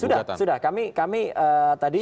sudah sudah kami tadi